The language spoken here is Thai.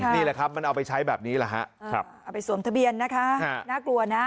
นี่แหละครับมันเอาไปใช้แบบนี้แหละฮะเอาไปสวมทะเบียนนะคะน่ากลัวนะ